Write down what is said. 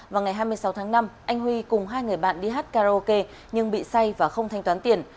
vào ngày hai mươi sáu tháng năm anh huy cùng hai người bạn đi hát karaoke nhưng bị say và không thanh toán tiền